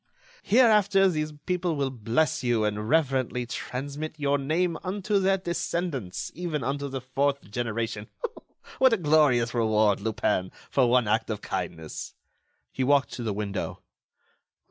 Hereafter these people will bless you, and reverently transmit your name unto their descendants, even unto the fourth generation. What a glorious reward, Lupin, for one act of kindness!" He walked to the window.